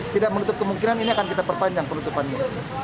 tidak menutup kemungkinan ini akan kita perpanjang penutupan ini